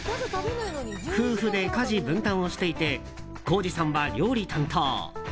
夫婦で家事分担をしていてこーじさんは料理担当。